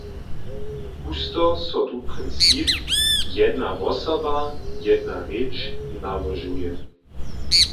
Husto so tu princip „jedna wosoba – jedna rěč“ nałožuje.